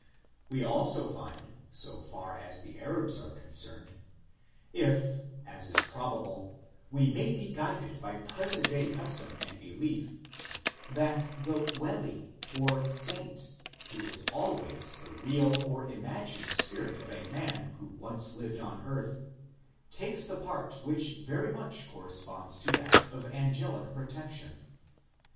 We also find, so far as the Arabs are concerned, if (as is probable) we may be guided by present day custom and belief, 2 that the well, or saint, who is always the real or imagined spirit of a man who once lived on earth, takes the part which very much corre sponds to that of angelic protection.